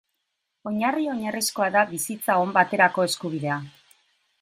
Oinarri oinarrizkoa da bizitza on baterako eskubidea.